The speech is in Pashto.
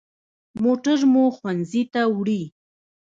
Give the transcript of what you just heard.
موټر مو ښوونځي ته وړي.